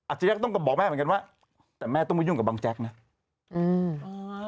อัศจิริยะก็ต้องก็บอกแม่เหมือนกันว่าแต่แม่ต้องไม่ยุ่งกับบางแจ๊กนะ